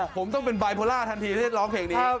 ผมต้องเป็นไบโปลอร์ล่ะทันทีและเล่นร้องเพลงนี้